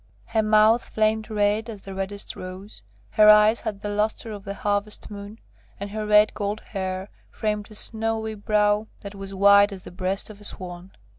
Her mouth flamed red as the reddest rose; her eyes had the lustre of the harvest moon, and her red gold hair framed a snowy brow that was white as the breast of a swan.